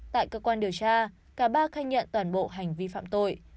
tại cơ quan điều tra cả ba khai nhận toàn bộ hành vi phạm tội